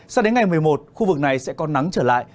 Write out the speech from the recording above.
sao đến ngày một mươi một khu vực này sẽ có nắng trở lại